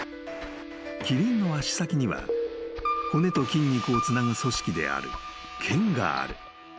［キリンの足先には骨と筋肉をつなぐ組織であるけんがある］